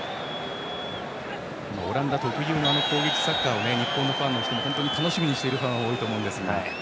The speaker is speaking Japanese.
オランダ特有の攻撃サッカーを日本のファンも楽しみにしている人が多いと思いますが。